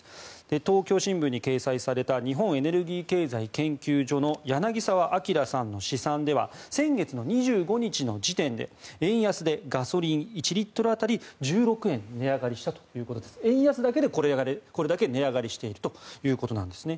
東京新聞に掲載された日本エネルギー経済研究所の柳沢明さんの試算では先月２５日の時点で円安でガソリン１リットル当たり１６円値上がりしたということで円安だけでこれだけ値上がりしているということです。